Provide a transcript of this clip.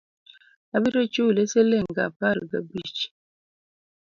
Abiro chuli siling apar ga abich